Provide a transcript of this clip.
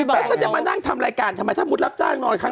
ราชาโดยเป็นที่แปลงไงนี่เราอยากมานั่งทำรายการสมัยถ้าพูดรับจ้างนอนครั้ง